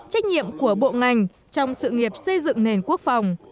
trách nhiệm của bộ ngành trong sự nghiệp xây dựng nền quốc phòng